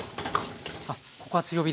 あっここは強火で。